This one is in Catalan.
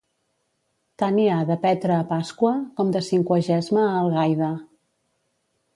Tant hi ha de Petra a Pasqua com de Cinquagesma a Algaida.